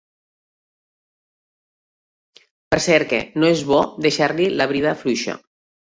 Per cert que... no és bo deixar-li la brida fluixa.